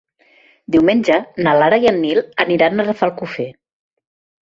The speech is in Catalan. Diumenge na Lara i en Nel aniran a Rafelcofer.